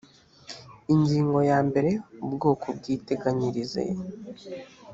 ingingo ya mbere ubwoko bw ubwiteganyirize